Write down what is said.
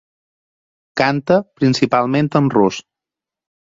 Canta principalment en rus.